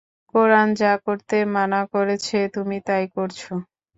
কোরআন যা করতে মানা করেছে তুমি তাই করছো।